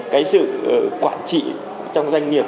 cái sự quản trị trong doanh nghiệp